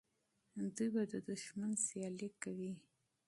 دوی به د دښمن مقابله کوي.